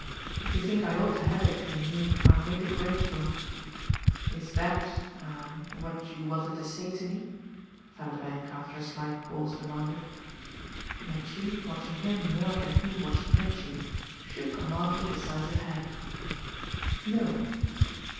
If you think I ought to have it from you I'm really grateful. Is that a what you wanted to say to me?" Vanderbank after a slight pause demanded. Mitchy, watching him more than he watched Mitchy, shook a mildly decisive head. "No."